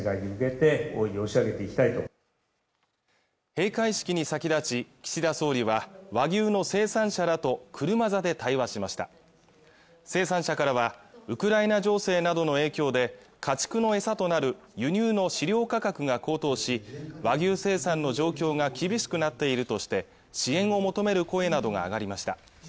閉会式に先立ち岸田総理は和牛の生産者らと車座で対話しました生産者からはウクライナ情勢などの影響で家畜の餌となる輸入の飼料価格が高騰し和牛生産の状況が厳しくなっているとして支援を求める声などが上がりました